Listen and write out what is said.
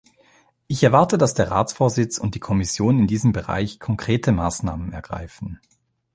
Ich erwarte, dass der Ratsvorsitz und die Kommission in diesem Bereich konkrekte Maßnahmen ergreifen.